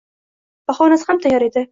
Bahonasi ham tayyor edi